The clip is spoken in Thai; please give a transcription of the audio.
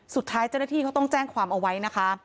สุดท้ายเจ้าหน้าที่เขาต้องแจ้งความเอาไว้นะคะ